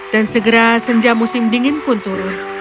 dan segera sejak musim dingin pun turun